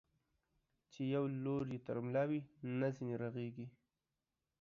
چي يو لور يې تر ملا وي، نه ځيني رغېږي.